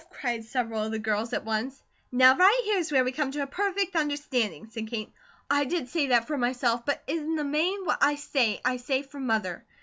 cried several of the girls at once. "Now right here is where we come to a perfect understanding," said Kate. "I did say that for myself, but in the main what I say, I say for MOTHER.